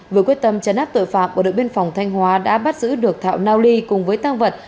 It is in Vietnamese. với quyết tâm chấn áp tội phạm bộ đội biên phòng thanh hóa đã bắt giữ được thạo nao ly cùng với tăng vật